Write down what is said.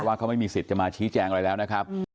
ว่าเขาไม่มีสิทธิ์จะมาชี้แจงอะไรแล้วนะครับ